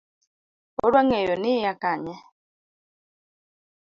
Odwa ng'eyo ni Iya kanye?